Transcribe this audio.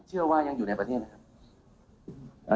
เชื่อว่ายังอยู่ในประเทศนะครับ